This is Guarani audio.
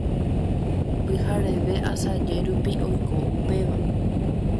Pyhareve asaje rupi oiko upéva.